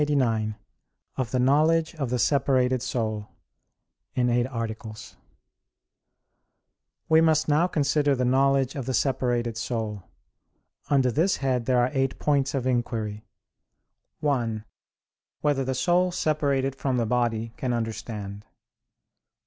_______________________ QUESTION 89 OF THE KNOWLEDGE OF THE SEPARATED SOUL (In Eight Articles) We must now consider the knowledge of the separated soul. Under this head there are eight points of inquiry: (1) Whether the soul separated from the body can understand?